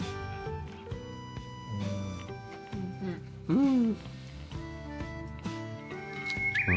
うん。